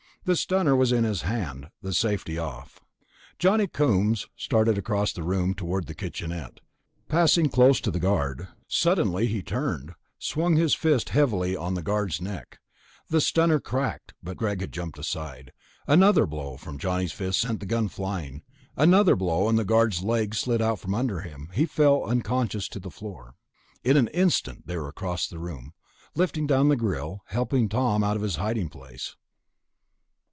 The stunner was in his hand, the safety off. Johnny Coombs started across the room toward the kitchennette, passing close to the guard. Suddenly he turned, swung his fist heavily down on the guard's neck. The stunner crackled, but Greg had jumped aside. Another blow from Johnny's fist sent the gun flying. Another blow, and the guard's legs slid out from under him. He fell unconscious to the floor. In an instant they were across the room, lifting down the grill, helping Tom out of his hiding place.